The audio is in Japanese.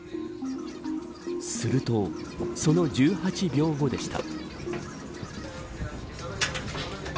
すると、その１８秒後でした。